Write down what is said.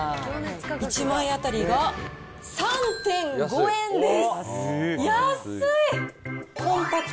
１枚当たりが３．５円です。